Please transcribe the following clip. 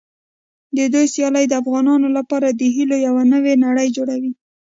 د دوی سیالۍ د افغانانو لپاره د هیلو یوه نوې نړۍ جوړوي.